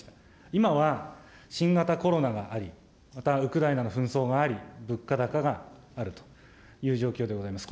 今は新型コロナがあり、またウクライナ紛争があり、物価高があるという状況でございます。